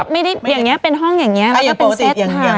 ไม่ได้เป็นห้องแบบเนี้ย